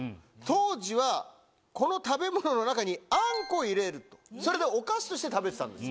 当時はこの食べ物の中にあんこを入れるそれでお菓子として食べてたんです。